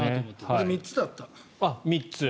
俺、３つだった。